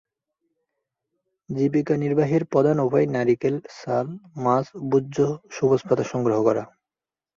জীবিকা নির্বাহের প্রধান উপায় নারিকেল, চাল, মাছ ও ভোজ্য সবুজ পাতা সংগ্রহ করা।